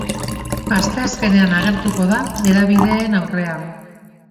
Asteazkenean agertuko da hedabideen aurrean.